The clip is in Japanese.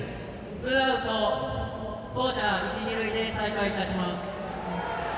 ツーアウト走者一、二塁で再開いたします。